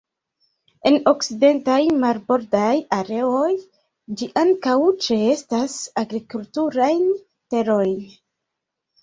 En okcidentaj marbordaj areoj, ĝi ankaŭ ĉeestas agrikulturajn terojn.